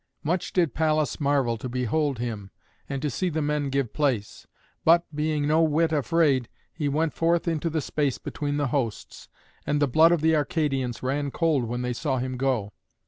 Much did Pallas marvel to behold him and to see the men give place. But, being no whit afraid, he went forth into the space between the hosts, and the blood of the Arcadians ran cold when they saw him go.